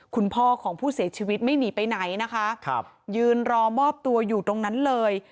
คุณพ่อของผู้เสียชีวิตไม่หนีไปไหนนะคะยืนรอมอบตัวอยู่ตรงนั้นเลย